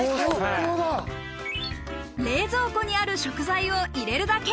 冷蔵庫にある食材を入れるだけ。